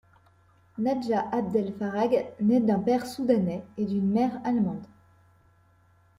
Nadja abd el Farrag naît d'un père soudanais et d'une mère allemande.